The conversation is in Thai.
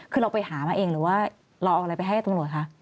คือเราไปหามาเองหรือว่าเราเอาอะไรไปให้ตำรวจคะ